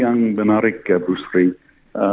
yang menarik ya bruce free